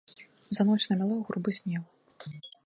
За ноч намяло гурбы снегу.